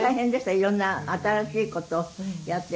いろんな新しいことをやって。